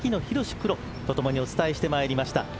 プロとともにお伝えしてまりました。